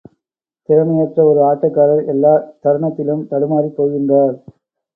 திறமையற்ற ஒரு ஆட்டக்காரர் எல்லா தருணத்திலும் தடுமாறிப் போகின்றார்.